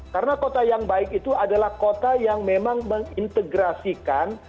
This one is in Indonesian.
karena kota yang baik itu adalah kota yang memang mengintegrasikan